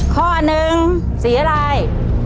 ข้อหนึ่งสีอะไร